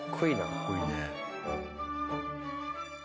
かっこいいね。